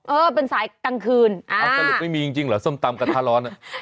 เออเป็นสายกลางคืนอ้าวสรุปไม่มีจริงเหรอส้มตำกระทะร้อนอ่ะ